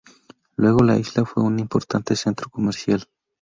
Luego la isla fue un importante centro comercial.